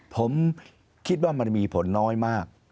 ผมคิดว่ามันมีผลน้อยมาก